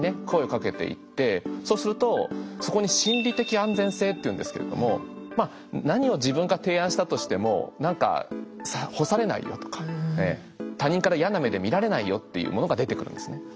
声をかけていってそうするとそこに「心理的安全性」っていうんですけれども何を自分が提案したとしてもなんか干されないよとか他人から嫌な目で見られないよっていうものが出てくるんですね。